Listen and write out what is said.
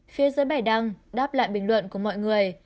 trên bài đăng đáp lại bình luận của mọi người